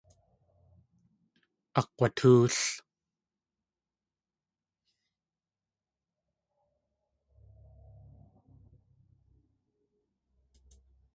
Akg̲watóol.